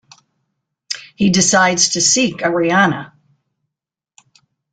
He decides to seek Arianna.